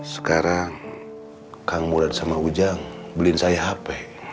sekarang kang mulat sama ujang beliin saya hp